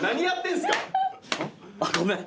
んっ？ごめん。